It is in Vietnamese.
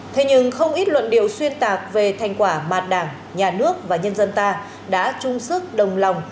thế nhưng không ít luận điệu xuyên tạc về thành quả mà đảng nhà nước và nhân dân ta đã chung sức đồng lòng